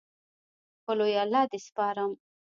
په لوی الله دې سپارم